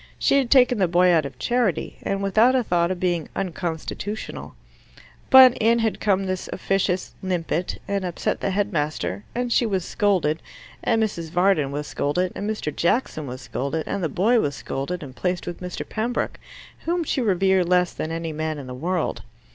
She had taken the boy out of charity, and without a thought of being unconstitutional. But in had come this officious "Limpet" and upset the headmaster, and she was scolded, and Mrs. Varden was scolded, and Mr. Jackson was scolded, and the boy was scolded and placed with Mr. Pembroke, whom she revered less than any man in the world.